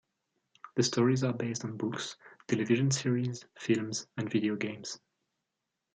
The stories are based on books, television series, films, and video games.